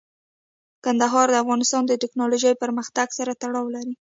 کندهار د افغانستان د تکنالوژۍ پرمختګ سره تړاو لري.